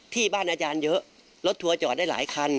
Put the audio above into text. ที่บ้านอาจารย์เยอะรถทัวร์จอดได้หลายคัน